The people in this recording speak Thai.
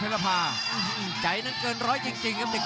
โอ้โหโอ้โหโอ้โห